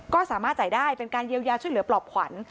ก็สามารถจ่ายได้เป็นการเยียวยาช่วยเหลือปลอบขวัญ